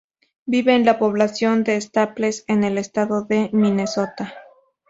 Vive en la población de Staples, en el estado de Minnesota.